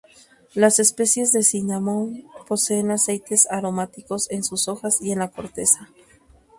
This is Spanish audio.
Las especies de "Cinnamomum" poseen aceites aromáticos en sus hojas y en la corteza.